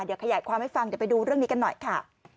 เดี๋ยวขยายความให้ฟังเดี๋ยวไปดูเรื่องนี้กันหน่อยค่ะ